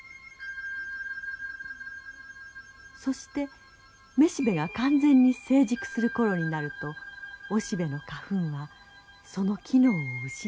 そしてメシベが完全に成熟する頃になるとオシベの花粉はその機能を失ってしまいます。